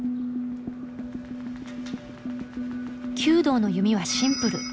弓道の弓はシンプル。